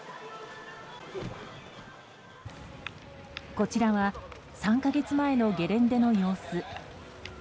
こちらは３か月前のゲレンデの様子。